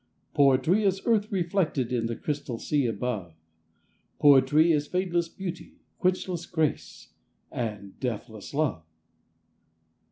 "Poetry is earth reflected In the crystal sea above; Poetry is fadeless beauty, Quenchless grace, and deathless love.